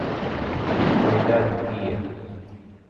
Unidade guia